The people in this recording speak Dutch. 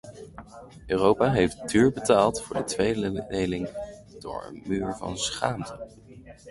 Europa heeft duur betaald voor de tweedeling door een muur van schaamte.